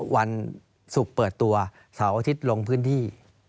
วันศุกร์เปิดตัวเสาร์อาทิตย์ลงพื้นที่